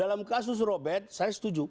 dalam kasus robert saya setuju